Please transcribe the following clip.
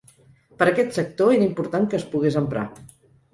Per aquest sector era important que es pogués emprar.